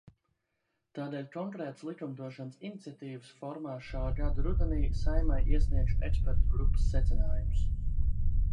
Tādēļ konkrētas likumdošanas iniciatīvas formā šā gada rudenī Saeimai iesniegšu ekspertu grupas secinājumus.